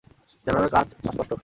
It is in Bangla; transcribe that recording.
জানালার কাঁচ অস্পষ্ট।